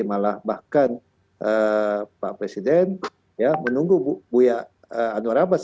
malah bahkan pak presiden menunggu buya anwar abbas